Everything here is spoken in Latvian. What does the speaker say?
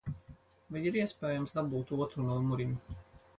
Vai ir iespējams dabūt otru numuriņu?